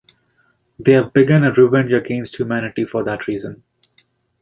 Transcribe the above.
They have begun a revenge against humanity for that reason.